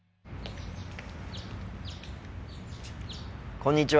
こんにちは。